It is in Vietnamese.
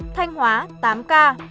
thanh hóa tám ca